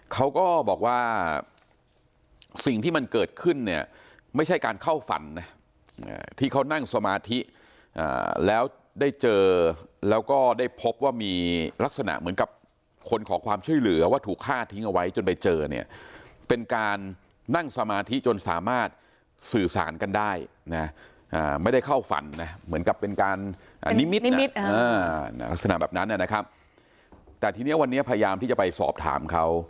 เขาก็บอกว่าสิ่งที่มันเกิดขึ้นเนี่ยไม่ใช่การเข้าฝันนะที่เขานั่งสมาธิแล้วได้เจอแล้วก็ได้พบว่ามีลักษณะเหมือนกับคนขอความช่วยเหลือว่าถูกฆ่าทิ้งเอาไว้จนไปเจอเนี่ยเป็นการนั่งสมาธิจนสามารถสื่อสารกันได้นะไม่ได้เข้าฝันนะเหมือนกับเป็นการนิมิตนิมิตลักษณะแบบนั้นนะครับแต่ทีนี้วันนี้พยายามที่จะไปสอบถามเขา